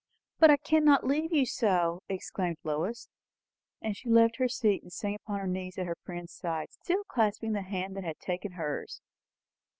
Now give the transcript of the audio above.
"But I cannot leave you so!" exclaimed Lois; and she left her seat and sank upon her knees at her friend's side, still clasping the hand that had taken hers.